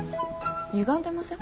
ゆがんでません？